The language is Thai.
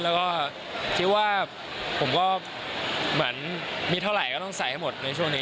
แล้วก็คิดว่าผมก็เหมือนมีเท่าไหร่ก็ต้องใส่ให้หมดในช่วงนี้